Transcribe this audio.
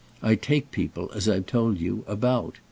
I take people, as I've told you, about.